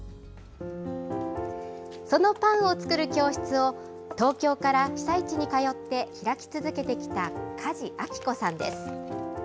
そのパンを作る教室を東京から被災地に通って開き続けてきた梶晶子さんです。